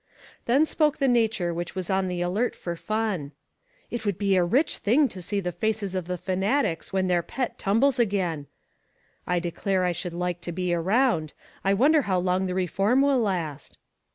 Then spoke the nature which was on the alert for fun: "It would be a rich thing to see the faces of the fanatics when their pet tum bles again. I declare I should like to be around; I wonder how long the reform will last?"